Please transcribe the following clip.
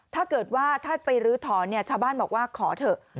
ถ้าเกิดว่าถ้าไปลื้อถอนชาวบ้านบอกว่าขอเถอะ